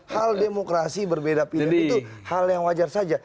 hal demokrasi berbeda pilihan itu hal yang wajar saja